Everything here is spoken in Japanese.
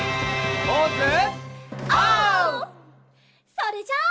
それじゃあ。